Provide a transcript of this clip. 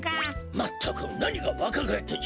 まったくなにがわかがえったじゃ。